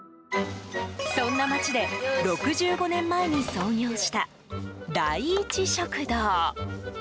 そんな町で６５年前に創業した第一食堂。